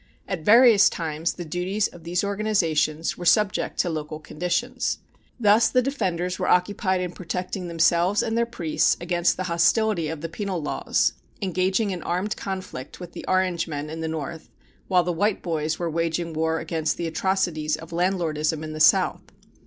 At various times the duties of these organizations were subject to local conditions. Thus the Defenders were occupied in protecting themselves and their priests against the hostility of the Penal Laws, engaging in armed conflict with the Orangemen in the north, while the Whiteboys were waging war against the atrocities of landlordism in the south.